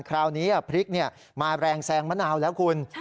คราวนี้พริกมาแรงแซงมะนาวแล้วคุณ